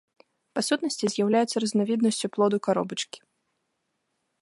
Па сутнасці з'яўляецца разнавіднасцю плоду-каробачкі.